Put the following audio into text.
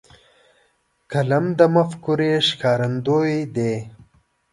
قلم د مفکورې ښکارندوی دی.